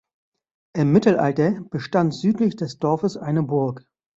Im Mittelalter bestand südlich des Dorfes eine Burg.